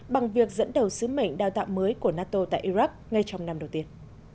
bằng việc dẫn đầu sứ mệnh đào tạo mới của nato tại iraq ngay trong năm đầu tiên